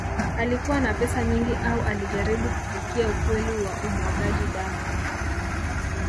Alikuwa na pesa nyingi au alijaribu kufikia ukweli wa umwagaji damu